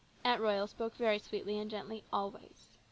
Aunt Royal spoke very sweetly and gently always.